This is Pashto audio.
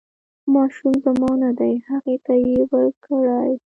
ماشوم زما نه دی هغې ته یې ورکړئ.